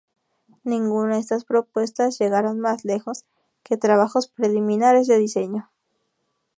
Ninguna de estas propuestas llegaron más lejos que trabajos preliminares de diseño.